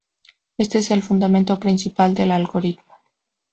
Éste es el fundamento principal del algoritmo.